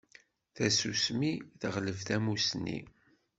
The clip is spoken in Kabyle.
Tasusmi teɣleb tamusni.